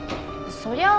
そりゃあ